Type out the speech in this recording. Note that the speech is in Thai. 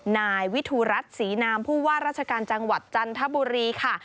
นายวิทูรัฐศรีนามผู้ว่าราชการจังหวัดจันทบุรีค่ะ